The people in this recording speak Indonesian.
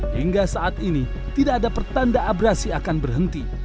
hingga saat ini tidak ada pertanda abrasi akan berhenti